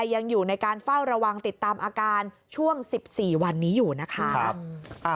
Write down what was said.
ยังอยู่ในการเฝ้าระวังติดตามอาการช่วง๑๔วันนี้อยู่นะคะ